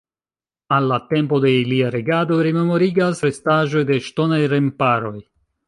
Al la tempo de ilia regado rememorigas restaĵoj de ŝtonaj remparoj.